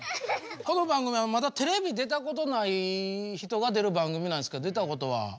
この番組はまだテレビ出たことない人が出る番組なんですけど出たことは？